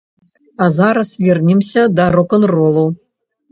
А зараз вернемся да рок-н-ролу.